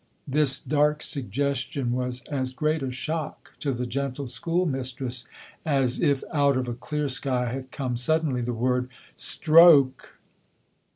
This dark suggestion was as great a shock to the gentle school mistress as if out of a clear sky had come suddenly the word _Stroke!